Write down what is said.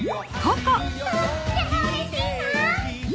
とってもうれしいな！